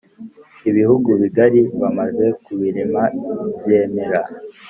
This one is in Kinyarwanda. ibihugu bigari, bamaze kubirema byemera